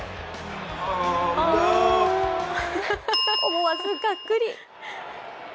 思わずがっくり。